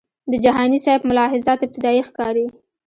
د جهانی سیب ملاحظات ابتدایي ښکاري.